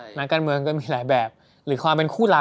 นักการเมืองก็มีหลายแบบหรือความเป็นคู่รัก